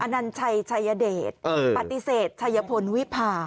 นัญชัยชัยเดชปฏิเสธชัยพลวิพา